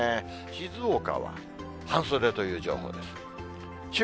静岡は、半袖という情報です。